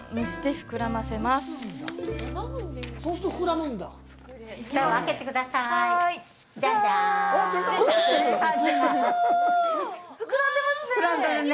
膨らんでますね。